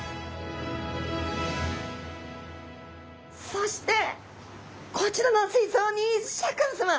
そしてこちらの水槽にシャーク香音さま